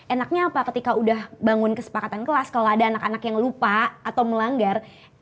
enaknya apa ketika udah bangun kesepakatan kelas kalau ada anak anak yang lupa atau melanggar